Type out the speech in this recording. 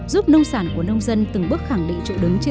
giúp nông sản của nông dân từng bước khẳng định